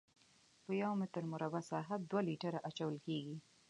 په یو متر مربع ساحه دوه لیټره اچول کیږي